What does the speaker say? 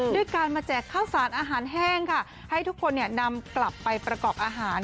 ด้วยการมาแจกข้าวสารอาหารแห้งค่ะให้ทุกคนนำกลับไปประกอบอาหาร